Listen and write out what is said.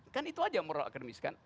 kan itu saja moral akademis kan